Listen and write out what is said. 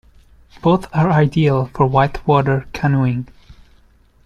Both are ideal for whitewater canoeing.